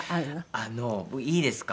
あのいいですか？